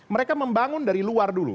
mereka membangun dari luar dulu